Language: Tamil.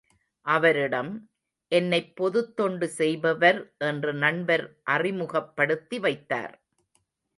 அவரிடம், என்னைப் பொதுத் தொண்டு செய்பவர் என்று நண்பர் அறிமுகப்படுத்தி வைத்தார்.